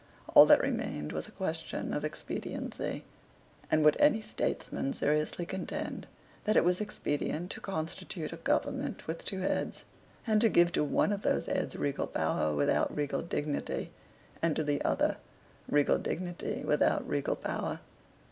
All that remained was a question of expediency. And would any statesman seriously contend that it was expedient to constitute a government with two heads, and to give to one of those heads regal power without regal dignity, and to the other regal dignity without regal power?